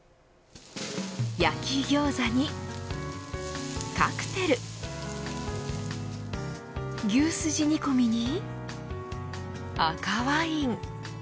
焼きギョーザにカクテル牛すじ煮込みに赤ワイン。